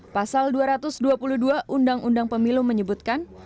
pasal dua ratus dua puluh dua undang undang pemilu menyebutkan